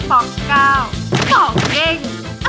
สองเก้าสองเย็ง